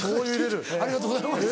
ありがとうございます。